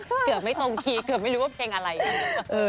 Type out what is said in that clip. เกือบไม่ตรงทีเกือบไม่รู้ว่าเพลงอะไร